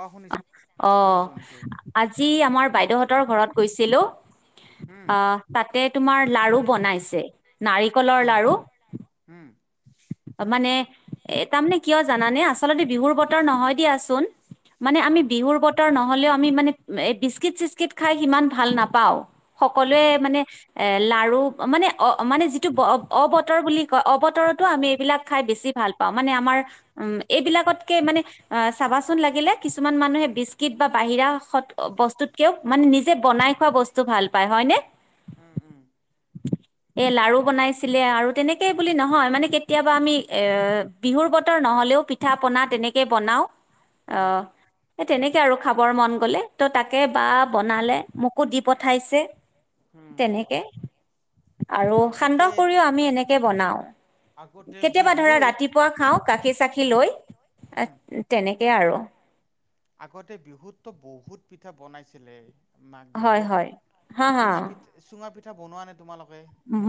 অ শুনিছো অ, শুনিছো শুনিছো আজি আমাৰ বাইদেউহঁতৰ ঘৰত গৈছিলো। উম অ, তাতে তোমাৰ লাৰু বনাইছে, কি নাৰিকলৰ হয় লাৰু। উম মানে এ তাৰমানে কিয় জানানে আচলতে বিহুৰ বতৰ নহয় দিয়াচোন। মানে আমি বিহুৰ বতৰ নহ'লেও আমি মানে বিস্কিট - চিস্কিট খাই সিমান ভাল নাপাওঁ, সকলোৱে মানে এ লাৰু মানে অ মানে যিটো ব অবতৰ বুলি কয় অবতৰতো আমি এইবিলাক খাই বেছি ভাল পাওঁ, মানে আমাৰ উ এইবিলাকতকে মানে চাবাচোন লাগিলে কিছুমান মানুহ বিস্কিট বা বাহিৰা বস্তুত কে মানে নিজে বনাই খোৱা বস্তু ভাল পায় হয় নে? উম, উম। এ লাৰু বনাইছিলে আৰু তেনেকে বুলি নহয় মানে কে কেতিয়াবা আমি এ বিহুৰ বতৰ নহ'লেও পিঠা-পনা তেনেকে বনাও। অ, উম সেই তেনেকে আৰু খাব বৰ মন গলে, ত' তাকে বা বনালে মোকো দি পঠাইছে। উম তেনেকে আৰু সান্দহ আগতে কৰিও আমি এনেকে বনাও। আগতে কেতিয়াবা ধৰা বিহুত ৰাতিপুৱা খাওঁ গাখীৰ-চাখী উম লৈ, উম আহ তেনেকে আৰু। আগতে বিহুততো বহুত পিঠা বনাইছিলে। মাঘ হয় বিহুত হয় হা হা চুঙা পিঠা চুঙা পিঠা বনোৱা নে তোমালোক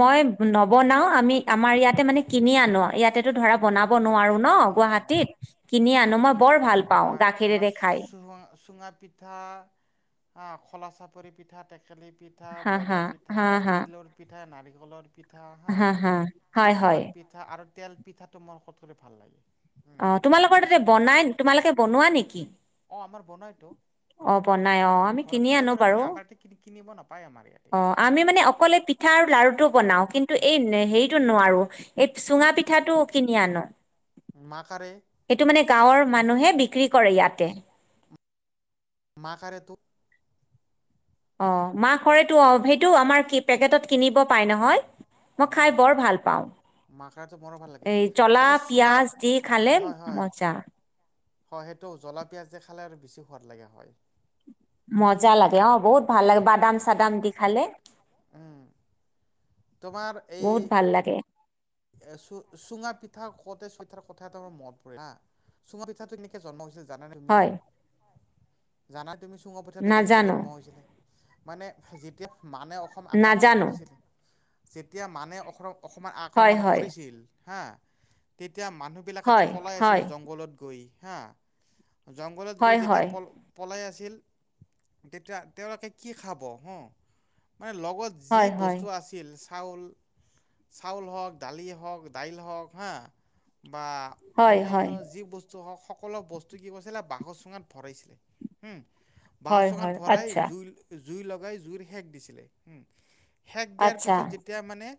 মই নবনাও আমি আমাৰ ইয়াতে মানে কিনি আনো, ইয়াতেতো ধৰা বনাব ব নোৱাৰো ন উম গুৱাহাটীত, কিনি আনো মই বৰ ভাল পাওঁ আমাৰ আমাৰ গাখীৰেৰে খাই। চুঙা চুঙা পিঠা আহ খলা চাপৰি পিঠা, তে কেলি পিঠা, হা বগা হা পিঠা, হা হা তিলৰ পিঠা, নাৰিকলৰ পিঠা হা কিমান পিঠা আৰু তেল পিঠাটো মোৰ কত কৰি ভাল লাগে। উম অ, তোমালোকৰ তাতে বনাই, তোমালোকে বনোৱা নেকি? অ আমাৰ বনাইতো অ, বনাই অ, আমি ঘৰে কিনি ঘৰে আনো ঘৰে বাৰু। বনাই আমাৰ ইয়াতে কিনি কিনিব নাপায় আমাৰ ইয়াতে অ, আমি মানে অকলে পিঠা আৰু লাৰুটো বনাও, কিন্তু এই নে হেৰি টো নোৱাৰো, এই চুঙা পিঠাটো কিনি আনো। মাকাৰে সেইটো মানে গাঁৱৰ মানুহে বিক্ৰী কৰে ইয়াতে। মাকাৰে তো অ, মাক সৰেতো অ সেইটো আমাৰ পেকেটত কিনিব পাই নহয়। অ মই খায় বৰ ভাল পাওঁ। মাকাৰেটো মোৰো ভাল লাগে এই জলা, আচ্ছা চুঙা পিয়াজ দি খালে হয় হয় মজা। হয় সেইটো জলা, পিয়াজ দি খালে আৰু বেছি সোৱাদ লাগে হয়। মজা লাগে, অ, বহুত ভাল লাগে বাদাম-চাদাম দি খালে। উম তোমাৰ এই বহুত [inaudible] এ চু চুঙা পিঠা কওঁতে, [unintelligible] কথা এটা মনত পৰিল হা। চুঙা পিঠাটো কেনেকে জন্ম হৈছিল জানানে তুমি? হয় জানা তুমি চুঙাৰ পিঠাটো কেনেকৈ নাজানো জন্ম হৈছিলে? মানে যেতিয়া, মানে অসম আক্ৰমণ নাজানো কৰিছিল। যেতিয়া মানে অস অসমত হয় আক্ৰমণ হয় কৰিছিল হা তেতিয়া মানুহবিলাকেতো হয় পলাই আছিল হয় জংঘলত গৈ হা জংঘলত গৈ হয় যেতিয়া হয় পল পলাই আছিল তেতিয়া তেওঁলোকে কি খাব হ। মানে লগত যি হয় হয় বস্তু আছিল চাউল, চাউল হওক দালি হওঁক, দাইল হওঁক হা বা হয় অন্যান্য হয় যি বস্ত ছ হওঁক সকলো বস্তু কি কৈছিলে বাঁহৰ চুঙাত ভৰাইছিলে হু। বাঁহৰ হয় হয় চুঙাত ভৰাই আচ্ছা জুই লগাই জুইৰ শেক দিছিলে। সেক দিয়াৰ আচ্ছা পিছত যেতিয়া মানে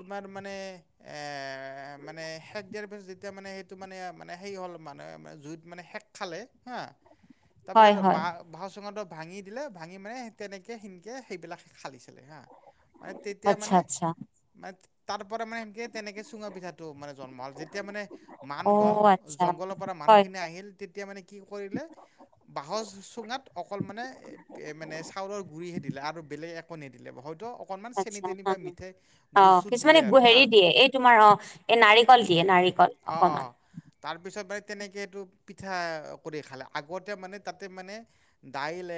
তোমাৰ মানে এ মানে সেক দিয়াৰ পিছত যেতিয়া মানে সেইটো মানে, মানে সেৰি হ'ল মানে জুইত মানে সেক খালে হা হয় তাৰপিছত হয় বা বাঁহৰ চুঙাটো ভাঙি দিলে ভাঙি মানে তেনেকৈ সেনেকৈ, সেইবিলাক খালিছিলে হা। মানে তেতিয়া আচ্ছা মানে, আচ্ছা মানে তাৰ পৰা মানে সেই তেনেকে চুঙা পিঠাটো মানে জন্ম হ'ল। যেতিয়া মানে মান অ গ'ল আচ্ছা জংঘলৰ পৰা হয় মানুহখিনি হয় আহিল। তেতিয়া মানে কি কৰিলে বাঁহৰ চুঙাত অকল মানে এ মানে চাউলৰ গুৰিহে দিলে আৰু বেলেগ এক একো নিদিলে, হয়তো অকণমান চেনি আচ্ছা তেনি হা বা হা মিঠাই অ গুৰ চুৰ দিলে কিছুমানে আৰু হা। হেৰি দিয়ে এই তোমাৰ অ, এই নাৰিকল দিয়ে উম, নাৰিকল অকমান। তেনেকেটো পিঠা কৰি খালে। আগতে মানে তাতে মানে দাইলে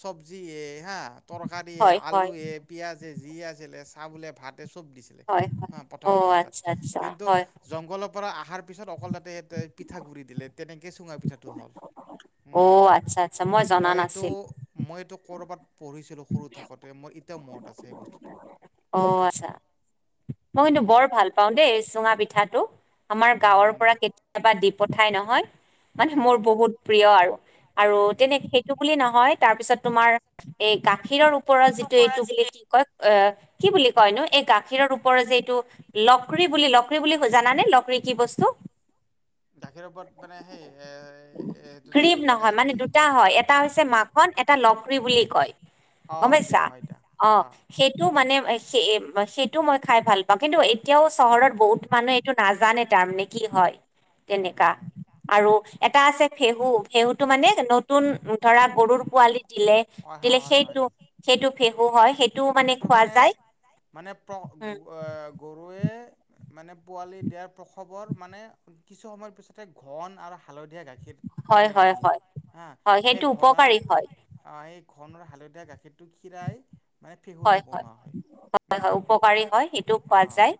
চব্জি এ হা। তৰকাৰী এ, হয় হয় আলু হে, পিয়াজ এ, যি আছিলে চাহ বোলে ভাতে চবে দিছিলে। হয়, হয়। হা প্ৰথম অ', আচ্ছা, অৱস্থাত। আচ্ছা, কিন্তু হয়। জংঘলৰ পৰা অহাৰ পিছত অকল তাতে পিঠাগুৰি দিলে। তেনেকৈ চুঙা পিঠাটো হ'ল। অ, উম, আচ্ছা-আচ্ছা মই জনা নাছিলো। মই এইটো ক'ৰবাত পঢ়িছিলোঁ সৰু থাকোঁতে, মোৰ এতিয়াও মনত আছে সেই বস্তুটো। অ, আচ্ছা মই কিন্তু উম, বৰ ভাল পাওঁ দেই চুঙা পিঠাটো। আমাৰ হম, গাঁৱৰ হম, হম। পৰা কেতিয়াবা দি পঠাই নহয়, মানে উম। মোৰ বহুত প্ৰিয় আৰু। আৰু উম। তেনে সেইটো বুলি নহয়, তাৰ পিছত তোমাৰ এই গাখীৰৰ পৰা যিটো এইটো বুলি কি কয়? অ, কি বুলি কয়নো? এই গাখীৰৰ ওপৰৰ যে এইটো লক্ৰী বুলি, লক্ৰী বুলি জানানে লক্ৰী কি বস্তু? গাখীৰৰ ওপৰত মানে সেই এ এইটো গ্ৰীপ যিটো নহয় মানে দুটা হয় এটা হৈছে মাখন, এটা লক্ৰী বুলি কয়। অঁ গ'ম হয় দিয়া পাইছা অ, অঁ। সেইটো মানে সেই, সেইটো মই খাই ভাল পাওঁ। কিন্তু এতিয়াও চহৰত বহুত মানুহে এইটো নাজানে তাৰমানে কি হয়। উম, তেনেকা হম, হম। আৰু এটা আছে ফেহু। ফেহুটো মানে নতুন ধৰা গৰুৰ পোৱালি দিলে, হয় দিলে হয় হয় হয়। সেইটো সেইটো ফেহু হয়, সেইটোও মানে খোৱা যায়। মানে প্ৰ উম, অ গৰুৱে মানে পোৱালি দিয়াৰ প্ৰসৱৰ মানে কিছু সময়ৰ পিছতে, ঘন আৰু হালধি এ গাখীৰ হয় মানে হয় দিয়ে হয় হা। হয় সেইটো সেই ঘনা উপকাৰী হয় এই ঘন আৰু হালধীয়া গাখীৰটোক খীৰাই মানে ফেহুটো হয় হয়, বনোৱা হয় উম হয় উপকাৰী হয় সেইটোও খোৱা অঁ যায়।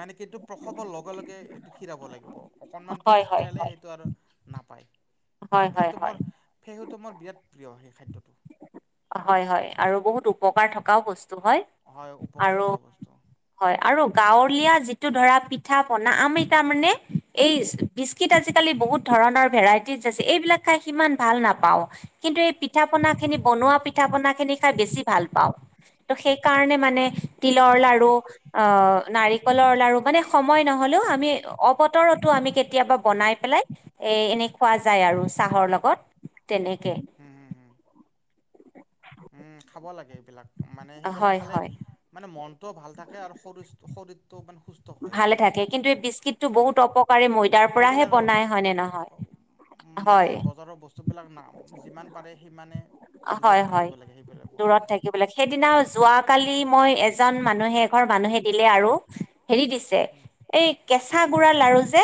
মানে কি এইটো প্ৰসাৱৰ লগে লগে এইটো খীৰাব লাগিব, অকনমান হয় পিছত হয় খীৰালে হয় সেইটো আৰু নাপায়। হয় হয় সেইটো হয় মোৰ ফেহুটো মোৰ বিৰাট প্ৰিয় সেই খাদ্যটো। হয় হয় আৰু বহুত উপকাৰ থকাও বস্তু হয় হয় উপকাৰ আৰু থকা বস্তু। হয় আৰু গাঁৱলীয়া যি ধৰা পিঠা পনা আমি তাৰমানে এই বিস্কিট আজিকালি বহুত ধৰণৰ ভেৰাইটি এইবিলাক খায় সিমান ভাল নাপাও কিন্তু এই পিঠা পনা খিনি বনোৱা অ', পিঠা পনা খিনি খায় বেছি ভাল পাওঁ ত' সেইকাৰণে মানে তিলৰ লাৰু অ', নাৰিকলৰ লাৰু মানে সময় নহলেও আমি অৱতৰতো আমি কেতিয়াবা বনাই পেলাই এ এনেই খোৱা যায় আৰু চাহৰ লগত। তেনেকে। হুম, [inaudible] উম', খাব লাগে এইবিলাক। মানে সেইবিলাক হয় খালে হয় মানে মনটোও ভাল থাকে আৰু শৰীৰ শৰীৰ ভালে থাকে কিন্তু এই বিস্কিটটো বহুত অপকাৰী ময়দাৰ পৰাহে এইবিলাক বনাই হয়নে নহয় মানে হয় বজাৰৰ বস্তুবিলাক নাম যিমান পাৰে সিমানে হয় হয় হাঁহি হাঁহি পেলাৱ। দূৰত থাকিব লাগে। সেইদিনা যোৱাকালি মই এজন মানুহে, এঘৰ মানুহে দিলে আৰু হেৰি দিছে উম, এই কেঁচা ঠা গুড়াৰ লাৰু যে,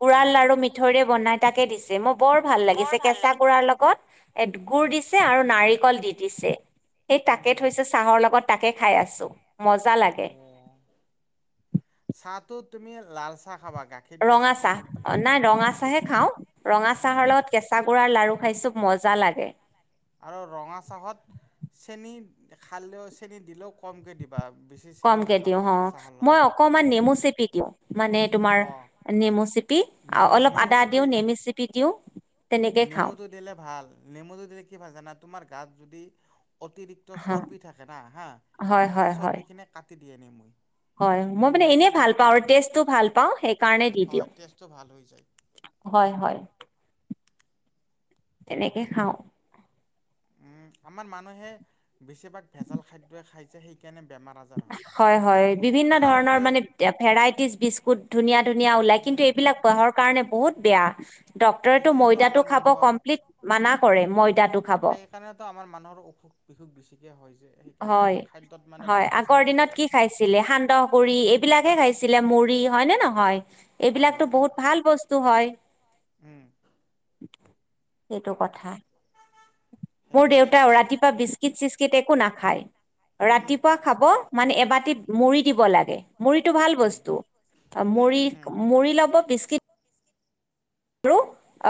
গুড়াৰ উম, লাৰু মিঠৈৰে বনাই তাকে দিছে মোক বৰ ভাল লাগিছে, কেঁচা গুড়াৰ লগত এ গুড় উম, দিছে আৰু নাৰিকল দি দিছে। সেই হুম, তাকে হুম, হুম। থৈছো চাহৰ লগত, তাকে খাই আছো। মজা লাগে। তো তুমি লালচাহ খাবা। গাখীৰ দিয়া ৰঙা চাহ, তেনে নাই ৰঙা অঁ চাহে বেছি খাওঁ। ৰঙা অঁ। চাহৰ লগত কেঁচা গুড়াৰ লাৰু খাইছো। মজা লাগে। আৰু ৰঙা চাহত চেনি খালেওঁ, চেনি দিলেওঁ কমকে দিব। কমকে দিওঁ অ', মই লগত। অকমান নেমু চেপি দিওঁ। মানে তোমাৰ অঁ নেম মু চেপি নেমু অলপ নেমু আদা দিওঁ, চেপি নেমি চেপি দিওঁ তেনেকে খাওঁ নেমুটো দিলে ভাল, নেমুটো দিলে কি ভাল জানা তোমাৰ গাত যদি অতিৰিক্ত হা চৰ্বি থাকে না হা, হয় সেই হয় হয় চৰ্বিখিনি কাটি দিয়েনি মই। হয় মই মানে এনেই ভাল পাওঁ আৰু টেষ্টো ভাল পাওঁ সেইকাৰণে দি হয় দিওঁ। তেজটো ভাল হৈ যায়। হয়, হয়। তেনেকে খাওঁ। উম, আমাৰ মানুহে বেছিভাগ ভেজাল খাদ্যই খাই যে সেই হয় - হয়, বিভিন্ন ধৰণৰ খাওঁতে মানে ভেৰাইটিজ বিস্কুট, ধুনীয়া - ধুনীয়া ওলায় কিন্তু এইবিলাক দেহৰ কাৰণে বহুত বেয়া। ডক্তৰেতো সেইকাৰণেতো ময়দাটো আমাৰ খাব মানুহৰ কমপ্লিট মানা কৰে ময়দাটো খাব। সেইকাৰণেতো আমাৰ মানুহৰ অসুখ - বিসুখ বেছিকে হয় যে, সেইকাৰণে। হয় খাদ্যত মানে হয়, বাছ বিচাৰ আগৰ দিনত নকৰে। কি খাইছিলে? সান্দহ গুৰি এইবিলাকে খাইছিলে, মুড়ি, হয় নে নহয়? হয় এইবিলাকতো হয় হয়। বহুত ভাল বস্তু হয়। উম, সেইটো কথা। মোৰ সেইটোৱে দেউতাও ৰাতিপুৱা বিস্কিট - চিস্কিট একো নাখায়। উম। ৰাতিপুৱা খাব- মানে এবাটিত মুড়ি দিব লাগে। মুড়িটো ভাল বস্তু। মুড়ি- মূড়ি লব বিস্কিট আৰু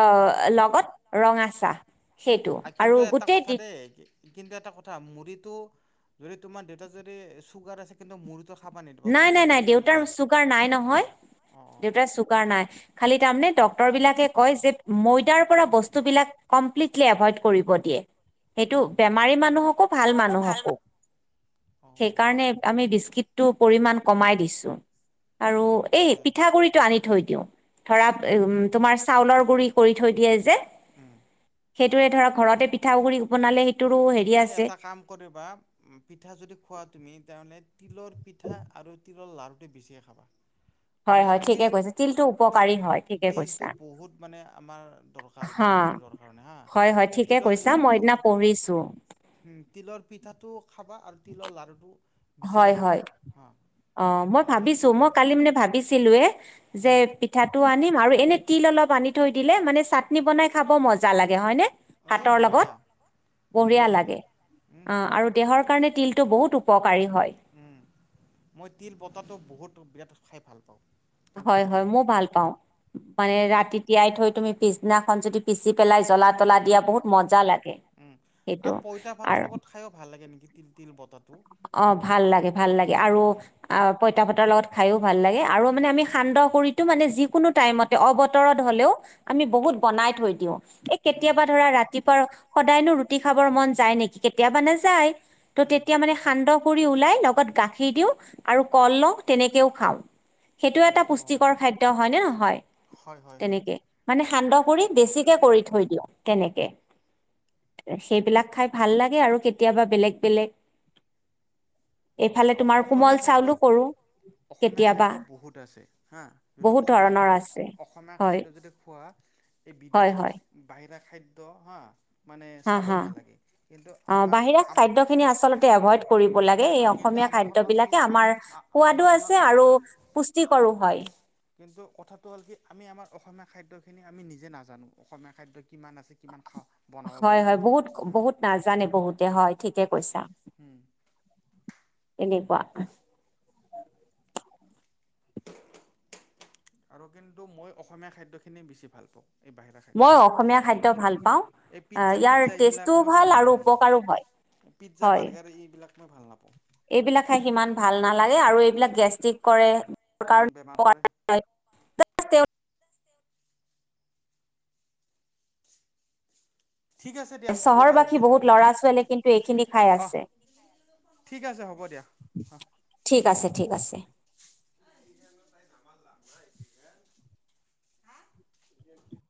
অ' লগত ৰঙা চাহ। সেইটো অ' আৰু কিন্তু এটা গোটেই কথা দি দেই, কিন্তু এটা কথা। মুড়িটো যদি তোমাৰ দেউতা যদি চুগাৰ আছে কিন্তু মুড়ি নাই নাই নাই দেউতাৰ চুগাৰ নাই নহয় অ অ দেউতাৰ চোগাৰ নাই খালি তামানে ডক ক্টৰ বিলাকে কয় যে ময়দাৰ পৰা বস্তুবিলাক কমপ্লিটলি এভইড কৰিব দিয়ে সেইটো হুম হুম হুম বেমাৰী মানুহকো ভাল মানুহকো অ সেইকাৰণে আমি বিস্কিটটো পৰিমাণ কমাই দিছোঁ আৰু অ এই ভালে পিঠাগুৰিটো আনি থৈ দিওঁ ধৰা হুম হুম তোমাৰ চাউলৰ গুৰি কৰি থৈ দিয়ে যে উম সেইটোৱে ধৰা ঘৰতে পিঠাগুৰি বনালে সেইটোৰো হেৰি তুমি আছে এটা কাম কৰিবা পিঠা যদি খোৱা তুমি তেনেহ'লে তিলৰ পিঠা আৰু তিলৰ লাড়ুটো বেছিয়ে খাবা হয় মানে হয় তিল ঠিকে কৈছা তিলটো তি উপকাৰী হয় ঠিকে তিলটো কৈছা বহুত মানে আমাৰ দৰকাৰ হা মানে শৰীৰৰ কাৰণে হয় হয় ঠিকে কৈছা মই এদিনা পঢ়ি উম তিলৰ পিঠাটো খাবা আৰু তিলৰ লাৰুটো বেছিকৈ হয় খাবা হয় হা অ মই মানে সেইটো ভাবিছো মই কালি মানে ভাবিছিলোয়ে যে উম। পিঠাটো আনিম আৰু এনে তিল অলপ আনি থৈ দিলে মানে চাটনি বনাই খাব মজা লাগে হয়নে এ ভাতৰ লগত বঢ়িয়া বঢ়িয়া লাগে উম অ আৰু দেহৰ কাৰণে তিলটো বহুত উপ উম মই তিল পতাটো বহুত বিৰাট খাই ভাল পাওঁ তিল হয় বতাটো। হয় মও ভাল পাও মানে উম ৰাতি তিয়াই থৈ তুমি পিছনাখন যদি পিছি পেলাই জ্বলা তলা দিয়া বহুত মজা লাগে উম সেইটো আৰু পইতা ভাতৰ লগত খাইও ভাল লাগে নিকি তিল তিল বতাত অ ভাল লাগে ভাল লাগে আৰু অ পইতা ভাতৰ লগত খাইও ভাল লাগে আৰু মানে আমি সান্দহ কৰিতো মানে যিকোনো টাইমতে অবতৰত হলেও আমি বহুত বনাই থৈ দিওঁ এ কেতিয়াবা ধৰা ৰাতিপুৱা দিনটো সদায়নো ৰুটি খাবৰ মন যায় নিকি কেতিয়াবা নেযায় ত তেতিয়া মানে কৰি ওলাই লগত গাখীৰ দিওঁ আৰু কল লওঁ তেনেকেও খাওঁ সেইটো এটা পুষ্টিকৰ খাদ্য হয় নে নহয় নহয়? হয় হয় হয় তেনেকে মানে সান্দহ কৰি বেছিকে কৰি থৈ দিওঁ তেনেকে সেইবিলাক খাই ভাল লাগে আৰু কেতিয়াবা বেলেগ বেলেগ এইফালে তোমাৰ অসমীয়া কোমল চাউলো কৰো অসমীয়া খাদ্য বহুত আছে হা যদি বহুত অসমীয়া ধৰণৰ আছে অসমীয়া হয় খাদ্য যদি খোৱা এই হয় বিদেশী হয় বাহিৰা খাদ্য হা মানে হা চাবই হা নালাগে কিন্তু অ আমাৰ বাহিৰা আম খাদ্য খিনি আচলতে এভইড কৰিব লাগ এই কিন্তু অসমীয়া আমাৰ কথা খাদ্য হ'ল কি বিলাকে আমি আমাৰ আমি সোৱাদো আমাৰ আছে আৰু পুষ্টিকৰো হয় কিন্তু কথাটো হল কি আমি আমাৰ অসম অসমীয়া খাদ্যখিনি আমি নিজে নাজানো অসমীয়া খাদ্য কিমান আছে কিমান খা বনাব হয় পাৰি হয় বহুত বহুত নাজানে বহুতে হয় ঠিকে কৈছা এনেকুৱা আৰু কিন্তু মই অসমীয়া খাদ্য খিনি বেছি ভাল পাওঁ এই বাহিৰা মই খাদ্যতকৈ অসমীয়া খাদ্য ভাল পাওঁ এই অ পিজ্জা ইয়াৰ ফিজ্জা এইবিলাক টেষ্টটোও মই ভাল আৰু নাপাওঁ উপকাৰো হয় পিজ্জা হয় বাৰ্গাৰ এইবিলাক মই ভাল নাপাওঁ এইবিলাক খাই সিমান ভাল নালাগে আৰু এইবিলাক গেষ্ট্ৰিক কৰে বেমাৰ কৰে [unintelligible] ঠিক আছে দিয়া হ'ব বাৰু চহৰবাসী দিয়া বহুত লৰা ছোৱালী কিন্তু এইখিনি খাই অহ আছে ঠিক আছে হ'ব দিয়া অ ঠিক আছে ঠিক আছে। [inaudible]